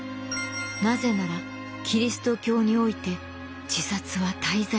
なぜならキリスト教において自殺は大罪でした。